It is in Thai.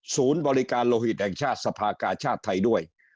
ศูนย์บริการโลหิตแห่งชาติสภากาชาติไทยด้วย